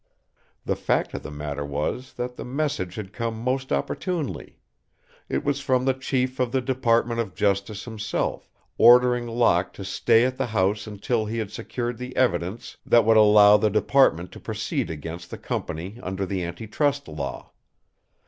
The fact of the matter was that the message had come most opportunely. It was from the chief of the Department of Justice himself, ordering Locke to stay at the house until he had secured the evidence that would allow the department to proceed against the company under the anti trust law.